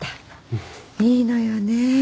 いいのよね。